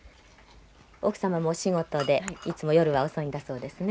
奥さまもお仕事でいつも夜は遅いんだそうですね。